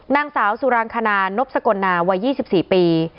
นางสาวสุรางคณานบสกลนาวัย๒๔ปี